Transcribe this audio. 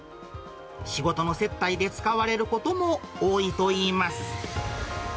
仕事の接待で使われることも多いといいます。